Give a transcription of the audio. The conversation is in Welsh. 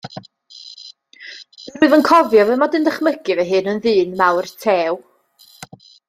Yr wyf yn cofio fy mod yn dychmygu fy hun yn ddyn mawr tew.